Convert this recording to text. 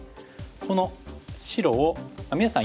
この白を皆さん